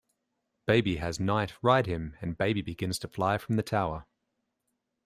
Baby has Knight ride him and Baby begins to fly from the Tower.